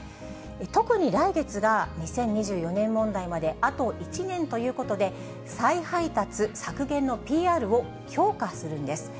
特に来月が、２０２４年問題まであと１年ということで、再配達削減のＰＲを強化するんです。